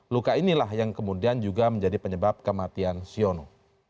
luka inilah yang kemudian juga menjadi penyebab kematian siono